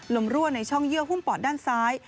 รั่วในช่องเยื่อหุ้มปอดด้านซ้าย